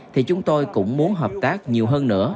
thì chúng tôi cũng muốn hợp tác nhiều hơn nữa